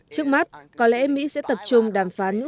trước mắt có lẽ mỹ sẽ tập trung vào tòa thuận